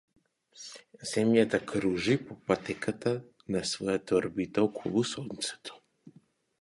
Земјата кружи по патеката на својата орбита околу сонцето.